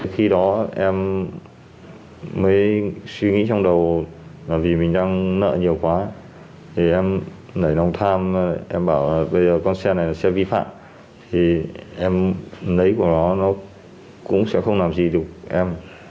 khi đó em mới suy nghĩ trong đầu là vì mình đang nợ nhiều quá thì em nảy lòng tham em bảo bây giờ con xe này sẽ vi phạm thì em lấy của nó nó cũng sẽ không làm gì đủ em